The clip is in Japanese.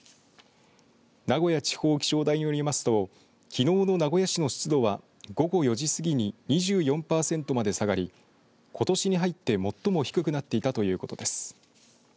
名古屋地方気象台によりますときのうの名古屋市の湿度は午後４時過ぎに２４パーセントまで下がりことしに入って最も低くなっていたということです。